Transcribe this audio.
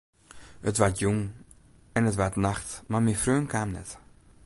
It waard jûn en it waard nacht, mar myn freon kaam net.